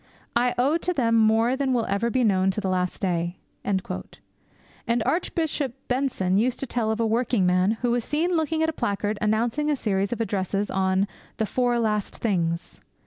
I owe to them more than will ever be known to the last day.' And Archbishop Benson used to tell of a working man who was seen looking at a placard announcing a series of addresses on 'The Four Last Things.'